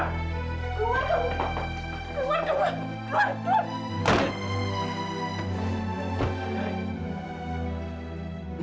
keluar keluar looking